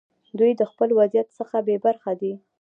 دوی د خپل وضعیت څخه بې خبره دي.